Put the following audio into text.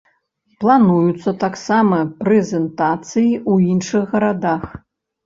Плануюцца таксама прэзентацыі ў іншых гарадах.